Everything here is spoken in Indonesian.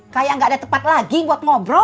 kayak nggak ada tempat lagi buat ngobrol